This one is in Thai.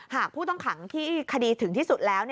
ผู้ต้องขังที่คดีถึงที่สุดแล้ว